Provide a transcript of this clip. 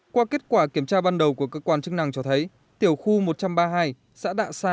qua kết quả kiểm tra ban đầu của cơ quan chức năng cho thấy tiểu khu một trăm ba mươi hai xã đạ sa